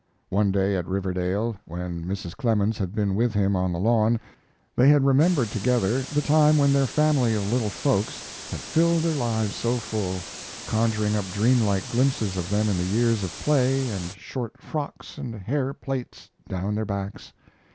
One day at Riverdale, when Mrs. Clemens had been with him on the lawn, they had remembered together the time when their family of little folks had filled their lives so full, conjuring up dream like glimpses of them in the years of play and short frocks and hair plaits down their backs.